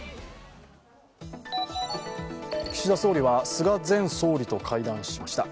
岸田総理は菅前総理と会談しました。